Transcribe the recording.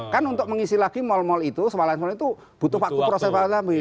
kan untuk mengisi lagi mall mall itu semalanya semalanya itu butuh waktu